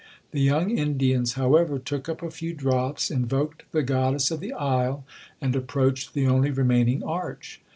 The young Indians, however, took up a few drops, invoked the 'goddess of the isle,' and approached the only remaining arch.